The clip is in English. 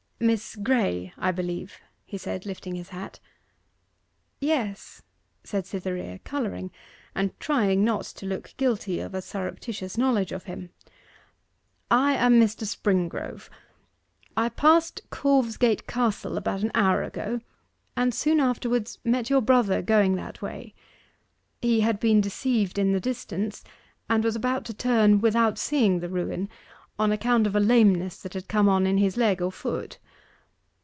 'Miss Graye, I believe?' he said, lifting his hat. 'Yes,' said Cytherea, colouring, and trying not to look guilty of a surreptitious knowledge of him. 'I am Mr. Springrove. I passed Corvsgate Castle about an hour ago, and soon afterwards met your brother going that way. He had been deceived in the distance, and was about to turn without seeing the ruin, on account of a lameness that had come on in his leg or foot.